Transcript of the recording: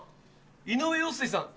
井上陽水さん